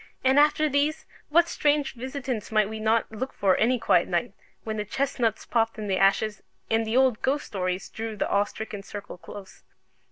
And after these, what strange visitants might we not look for any quiet night, when the chestnuts popped in the ashes, and the old ghost stories drew the awe stricken circle close?